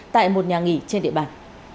tại một nhà nghỉ trên địa bàn